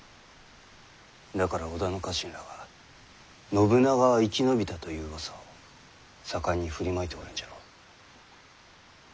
だから織田の家臣らは信長は生き延びたといううわさを盛んに振りまいておるんじゃろう。